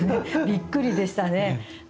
びっくりでしたね。